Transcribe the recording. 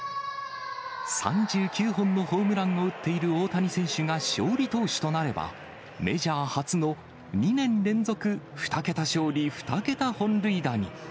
３９本のホームランを打っている大谷選手が勝利投手となれば、メジャー初の２年連続２桁勝利２桁本塁打に。